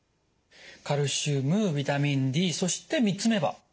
カルシウムビタミンＤそして３つ目は？